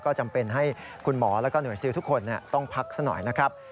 ก็จำเป็นให้คุณหมอแล้วก็หน่วยซิลทุกคนต้องพักซะหน่อยนะครับ